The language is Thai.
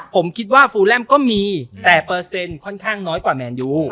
ผมคิดว่าฟูแลมก็มีแต่เปอร์เซ็นต์ค่อนข้างน้อยกว่าแมนยู